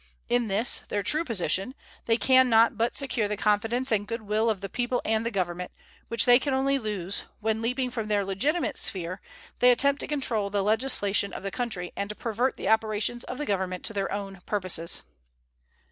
In this, their true position, they can not but secure the confidence and good will of the people and the Government, which they can only lose when, leaping from their legitimate sphere, they attempt to control the legislation of the country and pervert the operations of the Government to their own purposes.